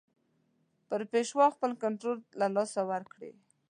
پر پېشوا خپل کنټرول له لاسه ورکړي.